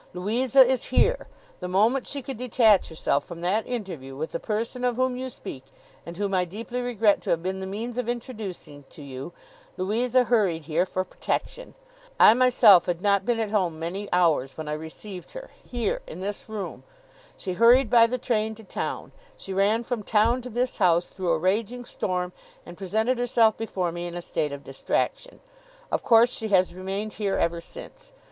Louisa is here. The moment she could detach herself from that interview with the person of whom you speak, and whom I deeply regret to have been the means of introducing to you, Louisa hurried here, for protection. I myself had not been at home many hours, when I received her—here, in this room. She hurried by the train to town, she ran from town to this house, through a raging storm, and presented herself before me in a state of distraction. Of course, she has remained here ever since.